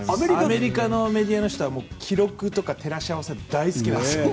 アメリカのメディアの人は記録とかを照らし合わせるのが大好きなんですよ。